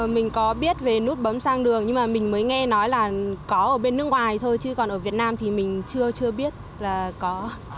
mình có biết về nút bấm sang đường nhưng mà mình mới nghe nói là có ở bên nước ngoài thôi chứ còn ở việt nam thì mình chưa chưa biết là có